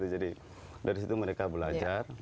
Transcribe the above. jadi dari situ mereka belajar